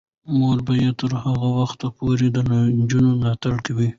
موږ به تر هغه وخته پورې د نجونو ملاتړ کوو.